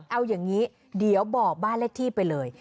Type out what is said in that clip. เอาอย่างนี้เดี๋ยวบอกบ้านเลขที่ไปเลย